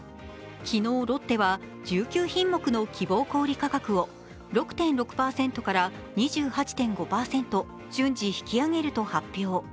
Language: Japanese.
昨日、ロッテは１９品目の希望小売価格を６．６％から２８．５％順次引き上げると発表。